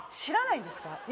知らないんですか？